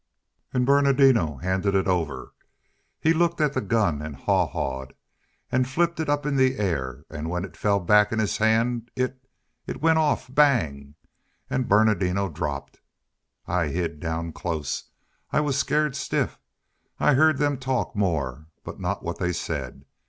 An' Bernardino handed it over. He looked at the gun an' haw hawed, an' flipped it up in the air, an' when it fell back in his hand it it went off bang! ... An' Bernardino dropped.... I hid down close. I was skeered stiff. I heerd them talk more, but not what they said.